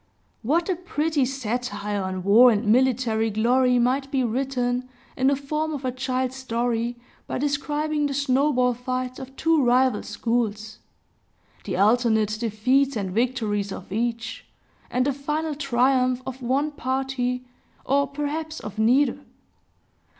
What a pretty satire on war and military glory might be written, in the form of a child's story, by describing the snowball fights of two rival schools, the alternate defeats and victories of each, and the final triumph of one party, or perhaps of neither!